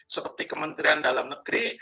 seperti kementerian dalam negeri